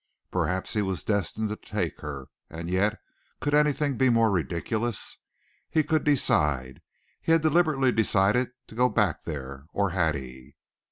Perhaps he was destined to take her! and yet, could anything be more ridiculous? He could decide. He had deliberately decided to go back there or had he?